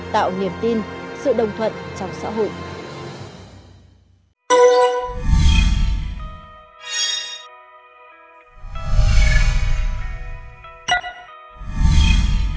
tạo niềm tin sự đồng thuận trong xã hội